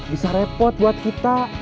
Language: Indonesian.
bisa repot buat kita